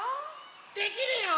できるよ！